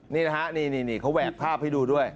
นี่นะฮะนี่เขาแหวกภาพให้ดูด้วย